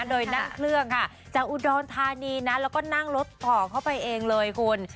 โดยนั่งเครื่องค่ะจากอุดรธานีนะแล้วก็นั่งรถต่อเข้าไปเองเลยคุณ